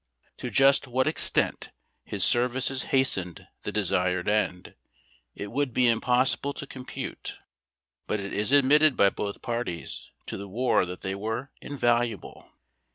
To just what extent his services hastened the desired end, it would be impossible to compute ; but it is admitted by both parties to the war that they were in valuable.